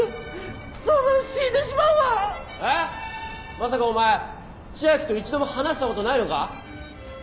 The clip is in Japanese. まさかお前千秋と一度も話したことないのか？